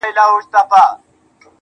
نور مي له سترگو څه خوبونه مړه سول.